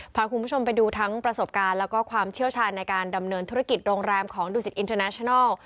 พาคุณผู้ชมไปดูทั้งประสบการณ์แล้วก็ความเชี่ยวชาญในการดำเนินธุรกิจโรงแรมของดูสิตอินเทอร์นาชนัล